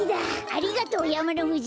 ありがとうやまのふじ！